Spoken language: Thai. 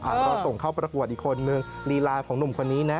รอส่งเข้าประกวดอีกคนนึงลีลาของหนุ่มคนนี้นะ